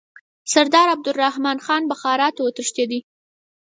سردار عبدالرحمن خان بخارا ته وتښتېدی.